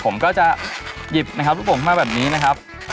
ผมก็จะหยิบครับลูกสองมาแบบนี้นะครับ